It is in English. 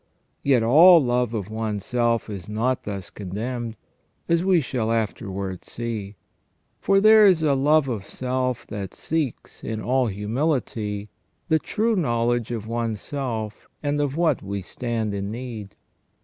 Yet all love of one's self is not thus condemned, as we shall afterwards see ; for there is a love of self that seeks, in all humility, the true knowledge of one's self and of what we stand in need.